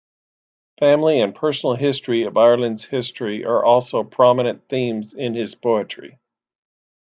Family and personal history and Ireland's history are also prominent themes in his poetry.